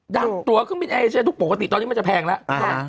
ตัวเครื่องบินเอเชียทุกปกติตอนนี้มันจะแพงแล้ว